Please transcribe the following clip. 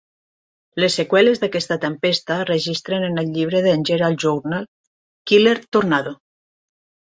Les seqüeles d'aquesta tempesta es registren en el llibre del Herald Journal, "Killer Tornado".